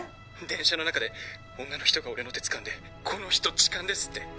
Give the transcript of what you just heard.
「電車の中で女の人が俺の手つかんでこの人痴漢です！って」